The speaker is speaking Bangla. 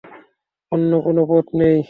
অন্য কোনো পথ নেই।